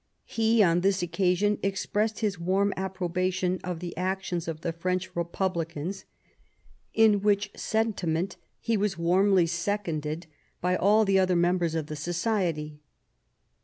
He, on this occasion, expressed his warm approbation of the actions of the French Republicans, in which sentiment he was warmly seconded by all the other members of the society.